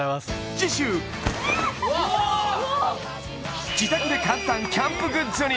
次週自宅で簡単キャンプグッズに